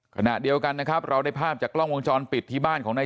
ขณะเดียวกันนะครับเราได้ภาพจากกล้องวงจรปิดที่บ้านของนาย